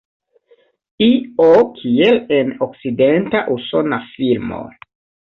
Io kiel en okcidenta usona filmo.